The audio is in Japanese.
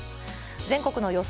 全国の予想